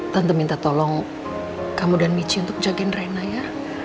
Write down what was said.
tante minta tolong kamu dan biji untuk jagain rina ya